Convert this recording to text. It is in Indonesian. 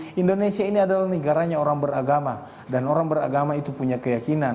jadi indonesia ini adalah negaranya orang beragama dan orang beragama itu punya keyakinan